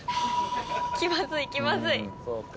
気まずい気まずい。